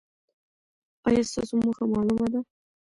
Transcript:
ایا ستاسو موخه معلومه ده؟